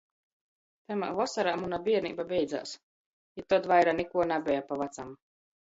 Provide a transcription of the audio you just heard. Tamā vosorā muna bierneiba beidzēs, i tod vaira nikuo nabeja pa vacam.